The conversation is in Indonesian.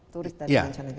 turis dari mancanegara